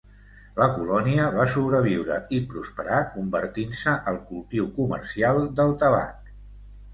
La colònia va sobreviure i prosperar convertint-se al cultiu comercial del tabac.